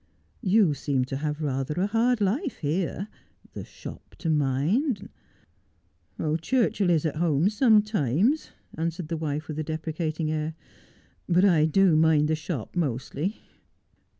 You seem to have rather a hard life here. The shop to mind '' Churchill is at home sometimes,' answered the wife with a deprecating air, ' but I do mind the shop mostly.'